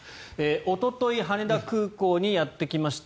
おととい羽田空港にやってきました